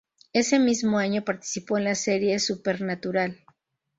Ese mismo año participó en la serie "Supernatural".